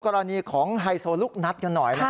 กรณีของไฮโซลูกนัดกันหน่อย